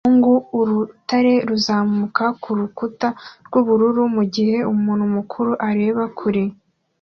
Umuhungu urutare ruzamuka kurukuta rwubururu mugihe umuntu mukuru areba kure